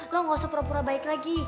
lo gak usah pura pura baik lagi